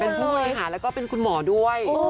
เป็นผู้บริหารแล้วก็เป็นคุณหมอด้วย